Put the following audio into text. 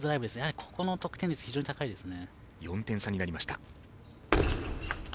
ここの得点率、非常に高いですね。